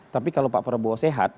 tapi kalau pak prabowo sehat